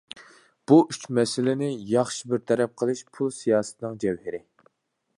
بۇ ئۈچ مەسىلىنى ياخشى بىر تەرەپ قىلىش پۇل سىياسىتىنىڭ جەۋھىرى.